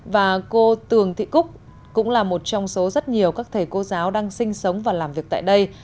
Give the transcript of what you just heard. và cô tường thị cúc cũng là một trong số rất nhiều các thầy cô giáo đang sinh sống và làm việc tại đây